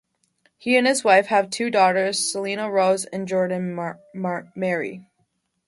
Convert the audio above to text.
He and his wife have two daughters, Celina Rose and Jordan Maree.